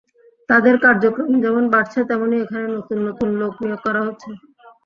তাঁদের কার্যক্রম যেমন বাড়ছে, তেমনি এখানে নতুন নতুন লোক নিয়োগ করা হচ্ছে।